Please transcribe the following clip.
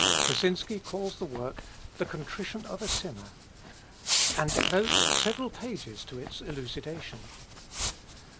Kleczynski calls the work The Contrition of a Sinner and devotes several pages to its elucidation.